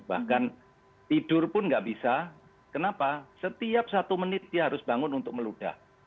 bahkan tidur pun nggak bisa kenapa setiap satu menit dia harus bangun untuk meludah